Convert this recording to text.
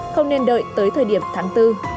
không nên đợi tới thời điểm tháng bốn